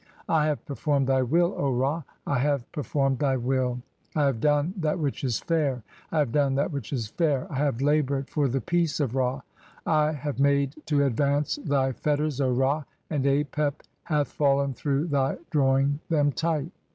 I "have performed thy will, O Ra, I have performed thy will ; "I have done that which is fair, I have done that which is fair, "I have laboured for the peace of (8) Ra. [I] have made to ad "vance thy fetters, Ra, and Apep hath fallen through thy "drawing them tight.